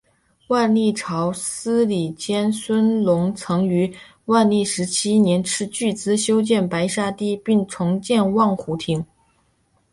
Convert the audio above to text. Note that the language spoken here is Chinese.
万历朝司礼监孙隆曾于万历十七年斥巨资修筑白沙堤并重建望湖亭。